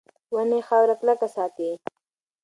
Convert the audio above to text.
ونې خاوره کلکه ساتي.